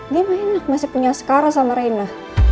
dia mah enak masih punya sekarang sama reina